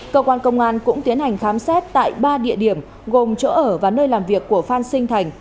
cơ quan công an cũng tiến hành khám xét tại ba địa điểm gồm chỗ ở và nơi làm việc của phan sinh thành